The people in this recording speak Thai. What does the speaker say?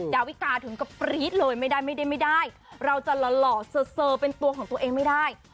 ดาวิกาถึงกระปรี๊ดเลยไม่ได้เราจะหล่อเป็นตัวของตัวเองไม่ได้